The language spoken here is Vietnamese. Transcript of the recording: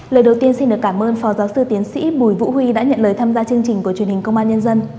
lời đầu tiên xin được cảm ơn phó giáo sư tiến sĩ bùi vũ huy đã nhận lời tham gia chương trình của truyền hình công an nhân dân